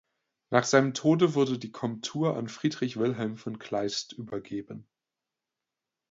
Nach seinem Tode wurde die Komtur an "Friedrich Wilhelm von Kleist" übergeben.